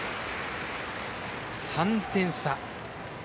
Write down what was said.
３点差。